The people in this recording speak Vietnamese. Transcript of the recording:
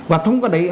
và thông qua đấy